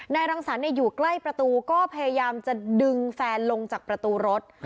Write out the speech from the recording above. รังสรรค์อยู่ใกล้ประตูก็พยายามจะดึงแฟนลงจากประตูรถ